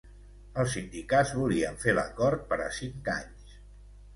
Els sindicats volien fer l'acord per a cinc anys